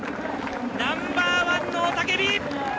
ナンバーワンの雄たけび。